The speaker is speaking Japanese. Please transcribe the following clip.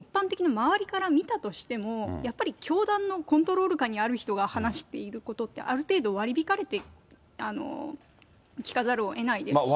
ただ、これを一般的に周りから見たとしても、やっぱり教団のコントロール下にある人が話していることとある程度割り引かれて聞かざるをえないですし。